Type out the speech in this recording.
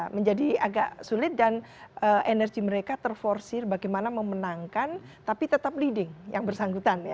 menjadi agak sulit dan energi mereka terforsir bagaimana memenangkan tapi tetap leading yang bersangkutan ya